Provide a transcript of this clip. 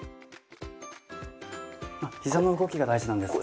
膝の動きが大事なんですか？